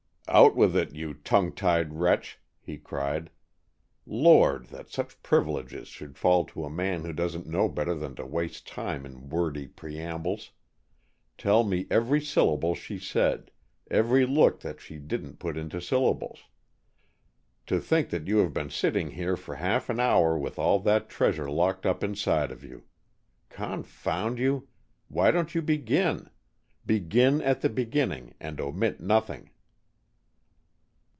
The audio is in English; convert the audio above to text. "Out with it, you tongue tied wretch," he cried. "Lord, that such privileges should fall to a man who doesn't know better than to waste time in wordy preambles. Tell me every syllable she said, every look that she didn't put into syllables. To think that you have been sitting here for half an hour with all that treasure locked up inside of you! Confound you, why don't you begin? Begin at the beginning, and omit nothing."